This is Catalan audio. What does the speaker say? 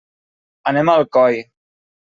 Anem a Alcoi.